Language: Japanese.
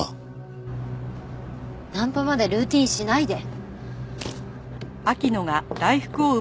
ナンパまでルーティンしないで。